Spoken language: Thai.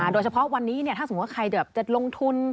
โดยเฉพาะวันนี้ถ้าสมมุติว่าใครจะลงทุน